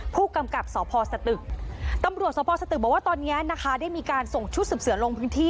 ผู้กำกับสพสตึกตำรวจสพสตึกบอกว่าตอนนี้นะคะได้มีการส่งชุดสืบเสือลงพื้นที่